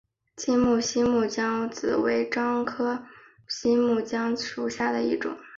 金毛新木姜子为樟科新木姜子属下的一个种。